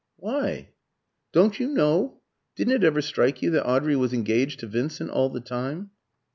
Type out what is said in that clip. "Why?" "Don't you know? Didn't it ever strike you that Audrey was engaged to Vincent all the time?"